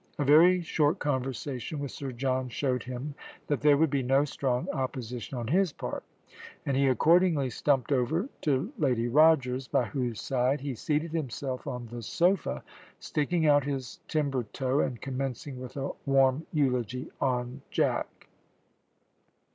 A very short conversation with Sir John showed him that there would be no strong opposition on his part, and he accordingly stumped over to Lady Rogers, by whose side he seated himself on the sofa, sticking out his timber toe and commencing with a warm eulogy on Jack.